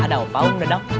ada opa unggah dong